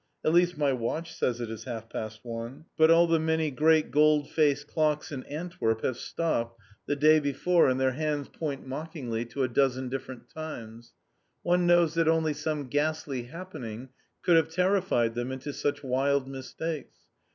At least, my watch says it is half past one. But all the many great gold faced clocks in Antwerp have stopped the day before, and their hands point mockingly to a dozen different times. One knows that only some ghastly happening could have terrified them into such wild mistakes.